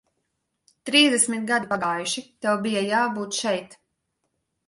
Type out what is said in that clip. Trīsdesmit gadi pagājuši, tev bija jābūt šeit.